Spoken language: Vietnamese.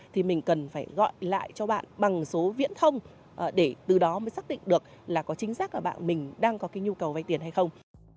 thì mình cần phải gọi lại cho bạn bằng số viễn thông để từ đó mới xác định được là có chính xác là bạn mình đang có cái nhu cầu vay tiền hay không